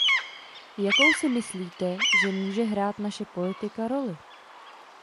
Jakou si myslíte, že může hrát naše politika roli?